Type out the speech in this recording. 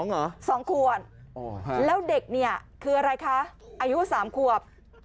๒ขวบแล้วเด็กเนี่ยคืออะไรคะอายุ๓ขวบ